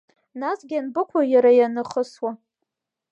Насгьы ианбыкәу иара ианахысуа?